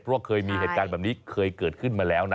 เพราะว่าเคยมีเหตุการณ์แบบนี้เคยเกิดขึ้นมาแล้วนะ